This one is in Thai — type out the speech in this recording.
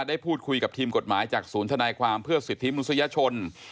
ได้พูดคุยกับทีมกฎหมายจากศูนย์ธนายความเพื่อสิทธิมนุษยชน